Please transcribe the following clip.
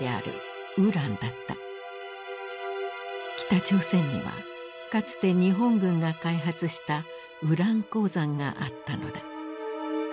北朝鮮にはかつて日本軍が開発したウラン鉱山があったのだ。